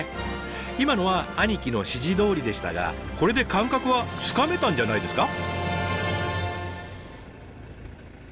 今のは兄貴の指示どおりでしたがこれで感覚はつかめたんじゃないですか？